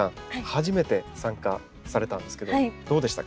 初めて参加されたんですけどどうでしたか？